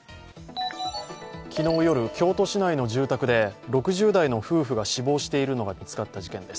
昨日夜、京都市内の住宅で６０代の夫婦が死亡しているのが見つかった事件です。